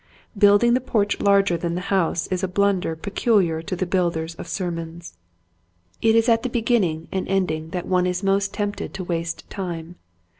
Building the porch larger than the house is a blunder peculiar to the builders of sermons. It is at the beginning and ending that Foolishness, 153 one is most tempted to waste time.